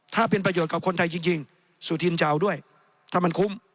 ถ้าเป็นประโยชน์กับคนไทยจริงสุธินจะเอาด้วยถ้ามันคุ้ม